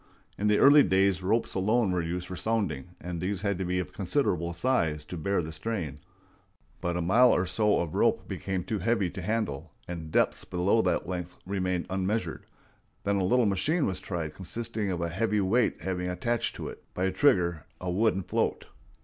In the early days ropes alone were used for sounding, and these had to be of considerable size to bear the strain; but a mile or so of rope became too heavy to handle, and depths below that length remained unmeasured. Then a little machine was tried consisting of a heavy weight having attached to it, by a trigger, a wooden float.